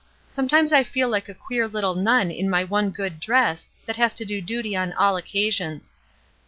Some times I feel like a queer little nun in my one good dress that has to do duty on all occasions.